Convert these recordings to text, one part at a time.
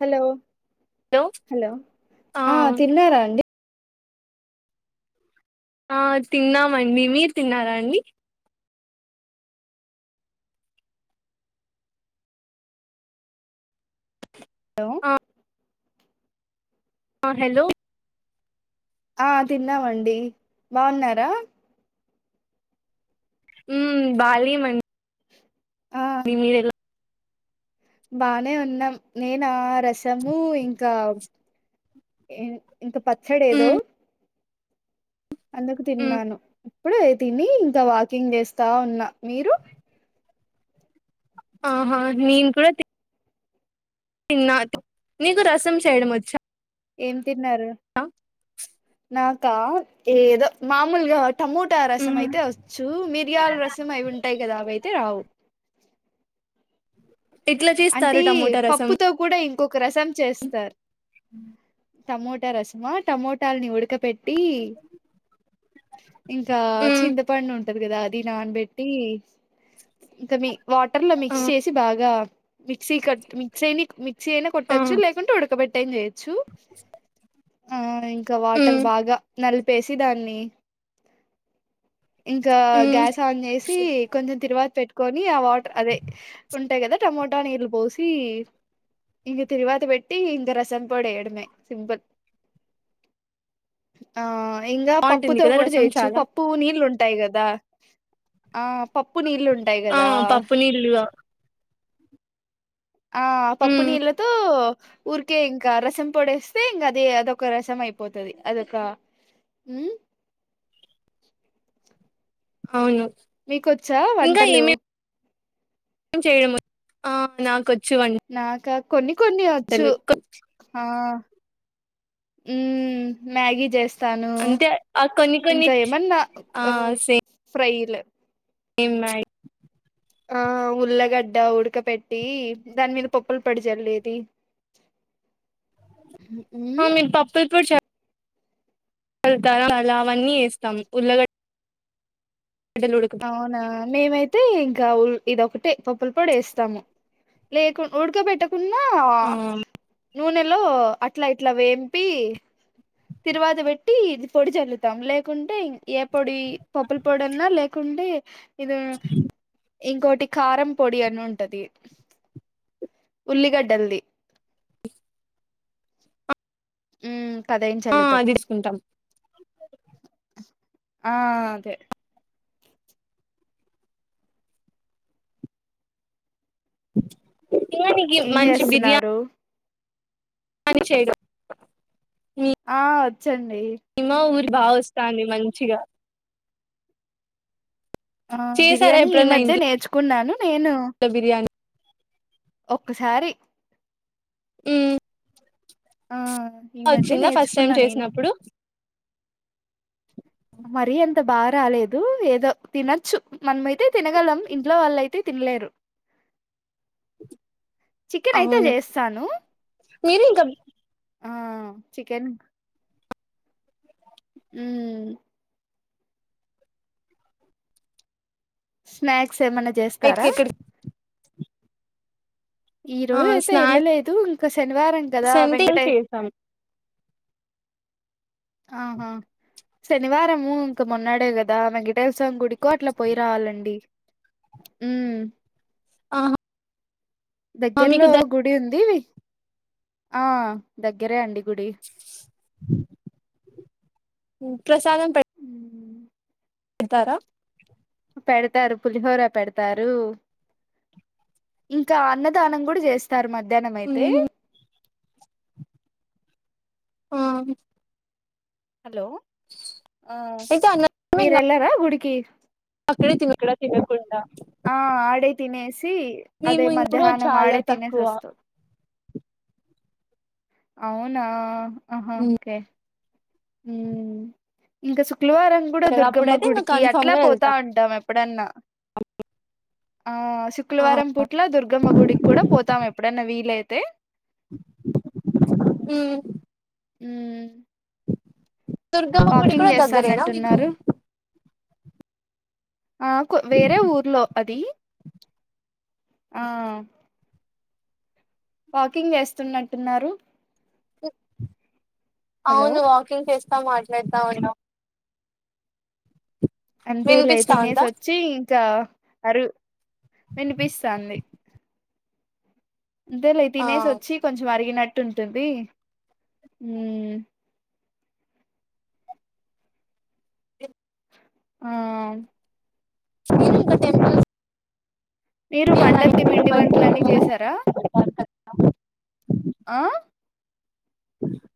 Hello hello hello ఆ తిన్నారా అండి ఆ తిన్నామండి మీరు తిన్నారా అండి ఏమో ఆ హెలో ఆ తిన్నావండి బాన్నారా మ్మ్ బాలే మన్ ఆ మీరేలా బానే ఉన్నాం నేనా రసము ఇంకా ఎ ఇంత పచ్చడేదో మ్మ్ అందుకు మ్మ్ తిన్నాను ఇప్పుడే తిని ఇంకా వాకింగ్ జేస్తా ఉన్న మీరు ఆహా నేన్ కూడ తిన్ తిన్నా నీకు రసం చేయడం ఓచ్చా ఏం తిన్నారు నాకా ఏదో మామూల్గా ఒ టమోటా మ్మ్ రసంమైతే ఓచ్చు మిరియాల రసమా ఆయి ఉంటాయి గదా అవి అయితే రావు ఇట్లా చేస్తారు టమోటా రసం ఓక్కొక రసం చేస్తారు మ్మ్ టమోటా రసమా టమోటాలన్నీ ఉడక బేట్టి ఇంకా మ్మ్ చింతపండు ఉంటది గదా అది నాన్బెట్టి ఇంక మీ వాటర్లో ఆ మిక్స్ చేసి బాగా మిక్సీ కట్ మిక్సీనిక్ మి మిక్సి ఐనా ఆ కొట్టొచ్చు లేకుంటే ఉడకబెట్టయినా జేయొచ్చు ఆ ఇం ఇంకా వాటర్ మ్మ్ బాగా నలిపేసి దాన్ని ఇంకా మ్మ్ గ్యాస్ ఆన్ చేసి కొంచెం తిరువాత పెట్ కోని ఆ వాటర్ అదే ఉంటాయి కదా టమోటా నీళ్ళు పోసి ఇగ తిరువాతి పెట్టి ఇంక రసం పోడేయడమే సింపుిల్ ఆ ఇంగ బాగుంటుంది పప్పుతో కదా కూడా రసం చేయొచ్చు చాలా పప్పు నీళ్ళు ఉంటాయి కదా ఆ పప్పు నీళ్ళు ఉంటాయి ఆ కదా పప్పు నీళ్ళు ఆ పప్పు మ్మ్ నీళ్ళతో ఊరికే ఇంకా రసం పొడేస్తే ఇంగ అది అదొక రసం అయిపోతది అదొక మ్ అవును మీకొచ్చా వంటలు చేయడము ఆ నాకో నాకా కొన్ని కొన్ని వచ్చు కొ- ఆ మ్ మ్యాగి జెస్ స్తాను అంతే ఆ కొన్ని కొన్ని ఇంకా ఏమన్నా మ్ ఫ్రైలు ఏమున్నాయ్ ఆ ఉల్లగడ్డ ఉడక పెట్టి దాని మీద పప్పల పోడిచళ్ళేది అ మీ పప్పుల పొడి చ త అలా అవన్నీ ఎస్తాం ఉల్లగడ్ అవునా మేమైతే ఇంకా ఉ ఇదొకటే పప్పుల పొడి వేస్తాము లేకున్ ఉడకబెట్ కున్నా ఆ నూనెలో అట్లా ఇట్లా వేంపి తిరువాత పెట్టి ఇది పొడి చల్లుతాం లేకుంటే ఏ పొడి పప్పుల పొడి అన్నా లేకుం టే ఇది ఇంకోటి కారం పొడి అని ఉంటది ఉల్లిగడ్డల్ది అదైనచళ్ళుతాం అది తీసుకుంటాం ఆ అదే తిననికి ఏం మంచి బిర్యానీ చేస్తున్నారు పని చేయడు ఆ వచ్చండి బాగోస్తాంది మంచిగా ఆ చేసారా బిర్యానీ ఈ ఎప్పుడన్నా మధ్యే ఇంట్లో నేర్చుకున్నాను నేను బిర్యానీ ఒక్కసారి మ్ ఆ ఈ మధ్య వచ్చిందా ఫస్ట్ టైమ్ నేర్చుకున్నా నేను చేసినప్పుడు మరీ అంత బాగా రాలేదు ఏదో తినొచ్చు మనమైతే తినగలం ఇంట్లో వాలైతే తి న్లేరు చికెన్ అయితే అవును చేస్తాను మీరు ఇంకా ఆ చికెన్ హుమ్ స్నాక్స్ ఏమన్నా బయటకి చేస్తారా ఎక్కడ ఈ రోజు అయితే స్నాక్స్ వెళ్ళలేదు ఇంకా శనివారం కదా అంటే ఏం వెంకటేే చేసాం ఆహా శనివారము ఇంక మొన్నాడే కదా వెంకటేశ్వర గుడికో అట్లా పోయి రావాలండి హు మ్ ఆహా దగ్గర్లో మీకు గుడి ఉంది ఆ దగ్గరే అండి గుడి ఉ ప్రసాదం పెట్ ఉమ్, ఏళ్తారా పెడుతారు పులిహోర పెడుతారు ఇంకా అన్నదానం కూడా చేస్తారు మధ్యాహ్నం అయితే ఆ హలో ఆ అయితే అన్నమే ఇంకా మీరెళ్లరా గుడికి అక్కడే తినక్కడ తినకుండా ఆ ఆడే తినేసి అదే మేము ఇప్పుడు మధ్యాహ్నం చాలా ఆడే తినేసి తక్కువ వస్తం అవునా ఆహా ఓకే ఊ ఇంకా శుక్లవారం కూడా దుర్గమ్మ అప్పుడైతే ఇంకా గుడికి కన్ఫామ్ అట్లా గా వెళ్తాం పోతా ఉంటాం మేం ఎప్పుడన్నా ఆ శుక్ ఆ క్లవారం పూట్ల దుర్గమ్మ గుడికి కూడా పోతాం ఎప్పుడన్నా వీలైతే ఊ ఊ దుర్గమ్మ గుడి కూడా దగ్గరేనా మీకు చేస్తాన్నట్టున్నారు ఆ వేరే ఊర్లో అది ఆ వాకింగ్ ఏస్తున్నట్టున్నారు హలో అవును వాకింగ్ చేస్తా మాట్లాడతా ఉన్నా అంతేలే వినిపిస్తా తినేసి ఉందా వచ్చి ఇకా అరు వినిపిస్తంది అంతే లే ఆ తినేసి వచ్చి కొంచెం అరిగినట్టు ఉంటుంది ఊ ఆ స్ టెంపుల్ మీరు పండక్కి పిండి వంటలన్నీ చేసారా ఆ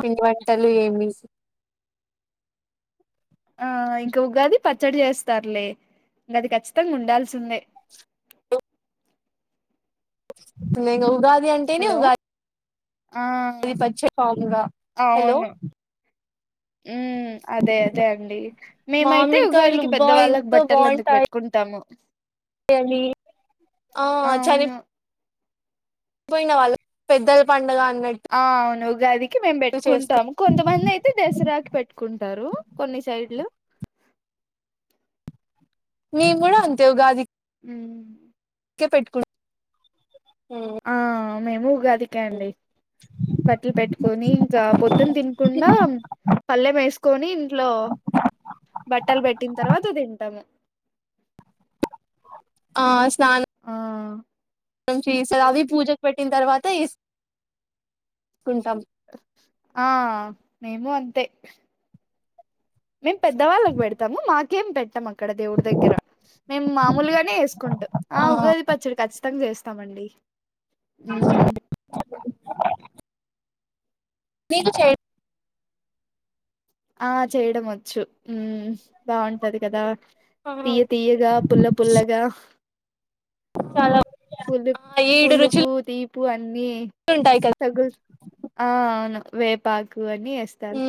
పిండి వంటలు ఏమిసి ఆ ఇంకా ఉగాది పచ్చడి చేస్తారులే ఇంగ అది ఖచ్చితంగా ఉండాల్సిందే లేంగ ఉగాది అంటేనే హలో ఉగాది ఆ ఇది పచ్చ పాముర హలో ఉమ్ అదే అదే అండి మేమైతే మామిడికాయలు ఉగాదికి అబ్బా పెద్దవాళ్ళకి బట్టలు అందుకు పెట్టుకుంటాము కని ఆ చని అవును పోయిన వాళ్ళకు పెద్దల పండగ అం ఆ అవును ఉగాదికి మేము చేసుకు పెట్టుకుంటాము కొంతమంది అయితే దసరా పెట్టుకుంటారు కొన్ని సైడ్లు మేము గుడ అంతే ఉగాది ఊ క్కే పెట్టుకు ఊ ఆ మేము ఉగాదికె అండి బట్టలు పెట్టుకొని ఇంకా పొద్దున్న తినకుండా పల్లెం వేసుకొని ఇంట్లో బట్టలు పెట్టిన తర్వాతే తింటాము ఆ స్నానం ఆ మంచిస్తా అవి పూజకు పెట్టిన తర్వాత ఏసుకుంటాం ఆ మేము అంతే మేం పెద్దవాళ్ళకు పెడతాము మాకేం పెట్టమ క్కడ దేవుడి దగ్గర మేము మామూలుగానే వేసుకుంటాం ఆ ఉగాది పచ్చడి ఖచ్చితంగా చేస్ తమండి ఉమ్ నేను చే ఆ చేయడం వచ్చు ఊ బాగుంటది కదా ఆ తీయ్య తియ్యగా పుల్ల పుల్లగా చాలా ఆ పుల్ప్ ఏడు పలుపు రుచులు తి ప్పు అన్నీ ఉంటాయి కదా తగుళ్తు ఆ అవును వేపాక్ ఇవన్ని ఎస్తలు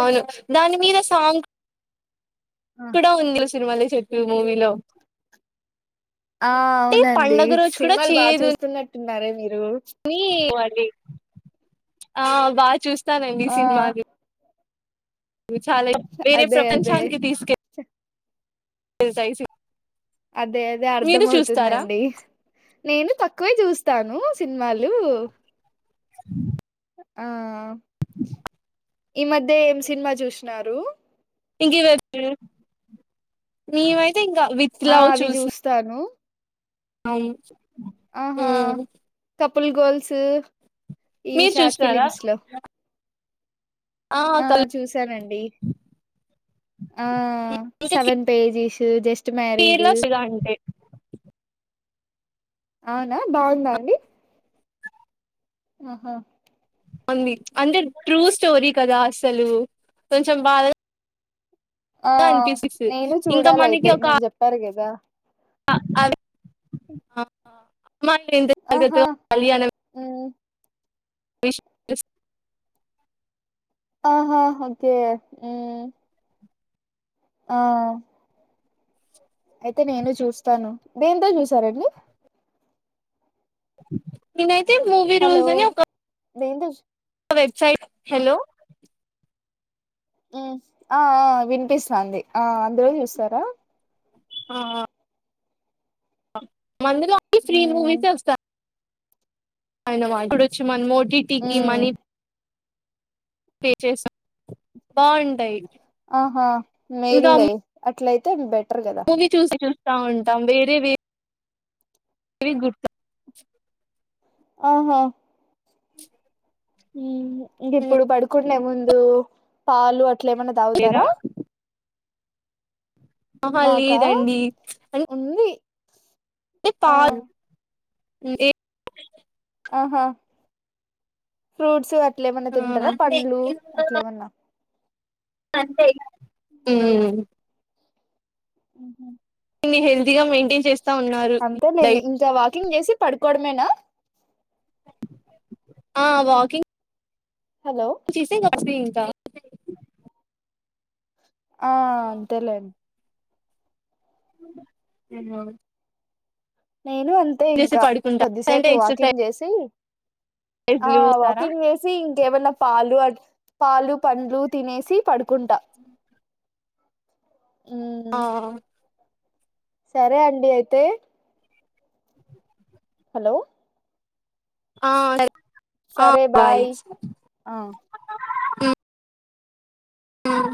ఔను దాని మీద సాంగ్ ఆ కూడా ఉంది సినిమాల చుట్టూ మూవీలో ఆ అంటే అవునండి పండగ రోజు కూడా సిన్మాలు బా చేదుని చూస్తున్నట్టున్నారే మీరు ఆ బా చూస్తానండి ఆ సిన్మాలు చాలా వేరే అదే అదే ప్రపంచానికి తీసుకె సైసు అదే అదే అర్ధమవుతుందండి నేను తక్కువే చూస్తాను సిన్మాలు ఆ ఈ మధ్య ఏం సిన్మా చూస్నారు ఇంక [inaudible] మేమైతే ఇంకా విత్ ఆ లావ్ అవి చూసి చూస్తాను అవ్ను ఆహా కపుల్ గోల్సు ఇవి మీరు షార్ట్ చూసినారా ఫిలిమ్స్లో ఆ చూసానండి ఆ ఇంకా సెవెన్ పేజీస్ జస్ట్ మ్యారీడ్ [unintelligible] అవ్నా బాగుందా అండి ఆహా అంది అంటే ట్రూ స్టోరీ కదా అసలూ కొంచెం బాదా ఆ నేను ఇంకా చూడాలైతే మీరు చెప్పారు కదా ఆ అవి మ ఆహా [inaudible] కళ్యాణం మ్మ్ [inaudible] ఆహాహోకే ఆహ్ అయితే నేను చూస్తాను దేంతో చూసారండి నేనైతే మూవీ హలో రూల్సని ఒక దేంతో వెబ్సైట్ హలో ఆ ఆ వినిపిస్తాంది ఆ అందులో చూసారా ఆ అ మందులోగే ఫ్రీ హ్మ్ మూవీసోస్తా అయ్నమ ఇప్పుడోచ్చి మనమోటిటికి హ్మ్ మనీ బాగుంటాయి ఆహా మేల్లే అట్లైతే బె మూవి చూసి చూస్తా ఉంటాం వేరేవే రిగు ఆహా ఉహ్ ఇంగిప్పుడు పడుకునే ముందు పాలు అట్ల ఏమన్నా లేదా తాగుతారా ఆహా మాకా లేదండి అ ఉంది అంటే పా ఆ ఆహా ఫ్రూట్సు అట్లేమన్నా తింటారా పండ్లు అట్లేమన్నా ఉహ్మ్ ఉహ్ హెల్దీగా మెయింటైన్ చేస్ అంతేలేండి ఇంకా వాకింగ్ జేసి పడ్కోవడమేనా ఆహ్ వాకింగ్. హలో చేసే [unintelligible] తింటా. ఆహ్ అంతేలేండి. ఉమ్ నో. నేను అంతే ఇంకా పడుకుంటా అంటే కొద్దిసేపు వాకింగ్ జేసి. ఆ ఎక్సర్సైజ్లు వాకింగ్ చేసి ఇంకేమన్నా పాలు అ పాలు పండ్లు తినేసి పడు కుంట ఆ సరే అండి అయితే హలొ సరే ఆహ్ బాయ్ ఆ [inaudible] ఉమ్.